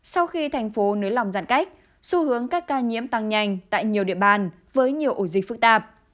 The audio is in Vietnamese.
sau khi thành phố nới lỏng giãn cách xu hướng các ca nhiễm tăng nhanh tại nhiều địa bàn với nhiều ổ dịch phức tạp